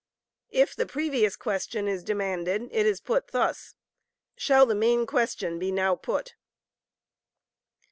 If the Previous Question is demanded, it is put thus: "Shall the main question be now put?"